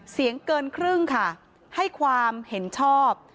เสียงเกินครึ่งค่ะให้ความเห็นชอบ